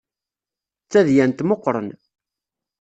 D tadyant meqqren.